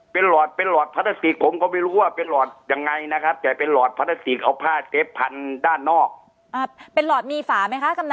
เป็นหลอดเป็นหลอดพลาสติกผมก็ไม่รู้ว่าเป็นหลอดยังไงนะครับแต่เป็นหลอดพลาสติกเอาผ้าเชฟพันด้านนอกเป็นหลอดมีฝาไหมคะกำนัน